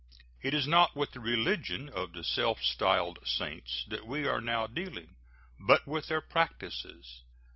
It is not with the religion of the self styled Saints that we are now dealing, but with their practices.